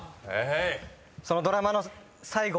そのドラマの最後。